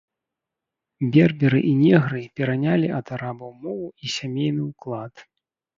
Берберы і негры перанялі ад арабаў мову і сямейны ўклад.